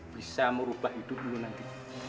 bisa merubah itu dulu nanti